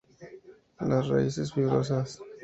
Las raíces fibrosas.